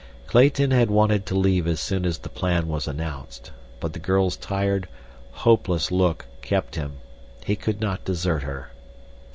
Clayton had wanted to leave as soon as the plan was announced, but the girl's tired, hopeless look kept him. He could not desert her.